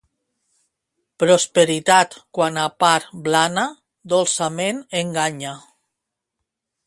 Prosperitat, quan apar blana, dolçament enganya.